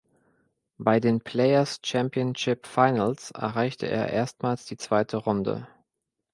Bei den Players Championship Finals erreichte er erstmals die zweite Runde.